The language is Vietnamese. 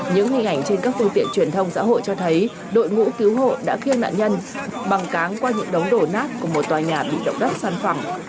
những hình ảnh trên các phương tiện truyền thông xã hội cho thấy đội ngũ cứu hộ đã kêu nạn nhân bằng cáng qua những đống đổ nát của một tòa nhà bị động đất săn phẳng